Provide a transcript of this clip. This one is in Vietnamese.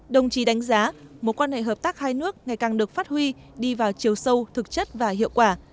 đồng chí đánh giá mối quan hệ hợp tác hai nước ngày càng được phát huy đi vào chiều sâu thực chất và hiệu quả